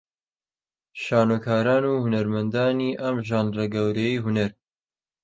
شانۆکاران و هونەرمەندانی ئەم ژانرە گەورەیەی هونەر